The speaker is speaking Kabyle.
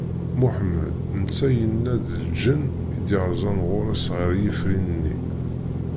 Muḥemmed netta yenna d lǧenn i d-yerzan ɣur-s ɣer yifri-nni.